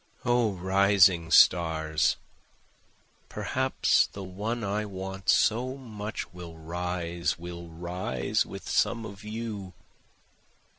O rising stars! Perhaps the one I want so much will rise, will rise with some of you.